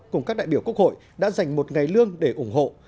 cùng các đại biểu quốc hội đã dành một ngày lương để ủng hộ